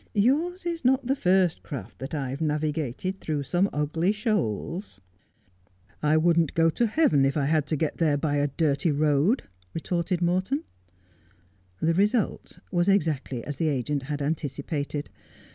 Yours is not the first craft that I've navigated through some ugly shoals.' ' I wouldn't go to heaven if I had to get there by a dirty road,' retorted Morton. The result was exactly as the agent had anticipated.